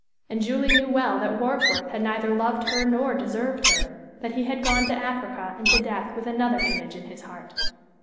And Julie knew well that Warkworth had neither loved her nor deserved her that he had gone to Africa and to death with another image in his heart.